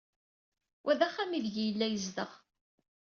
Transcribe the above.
Wa d axxam aydeg yella yezdeɣ.